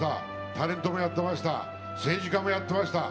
タレントもやってました政治家もやってました。